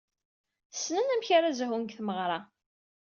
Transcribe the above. Ssnen amek ara zhun deg tmeɣra.